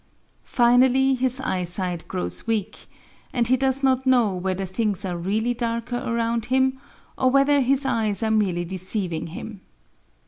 Finally his eyesight grows weak, and he does not know whether things are really darker around him or whether his eyes are merely deceiving him.